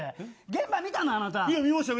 現場見たの、あなた。